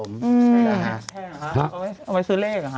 เขาไม่ซื้อเลขหรอค่ะ